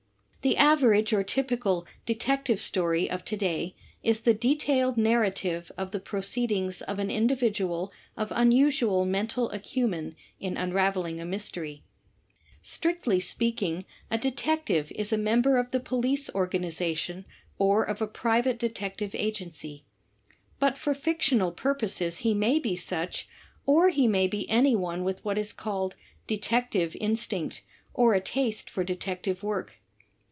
The average or typical Detective Story of to day is the detailed narrative of the proceedings of an individual of unusual mental acumen in unraveling a mystery. Strictly speaking, a detective is a member of the police organization or of a private detective agency. But for fictional piuposes he may be such, or he may be any one with what is called "detective instinct" or a taste for detect ive work.